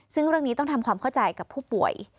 ซึ่งเรื่องนี้ต้องทำความเข้าใจกับผู้ป่วย